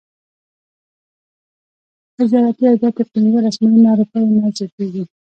تجارتي عایدات تر پنځلس میلیونه روپیو نه زیاتیږي.